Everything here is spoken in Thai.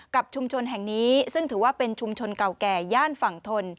ชุมชนแห่งนี้ซึ่งถือว่าเป็นชุมชนเก่าแก่ย่านฝั่งทน